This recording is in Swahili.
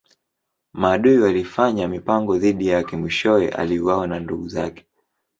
Maadui walifanya mipango dhidi yake mwishowe aliuawa na ndugu zake.